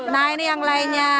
nah ini yang lainnya